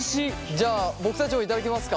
じゃあ僕たちも頂きますか。